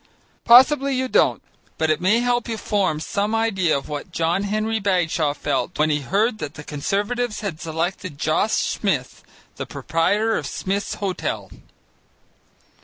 Possibly you don't, but it may help you to form some idea of what John Henry Bagshaw felt when he heard that the Conservatives had selected Josh Smith, proprietor of Smith's Hotel.